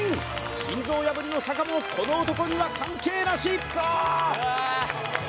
心臓破りの坂もこの男には関係なし！